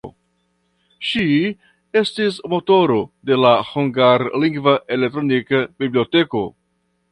Ŝi estis motoro de la hungarlingva elektronika biblioteko.